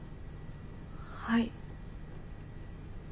はい。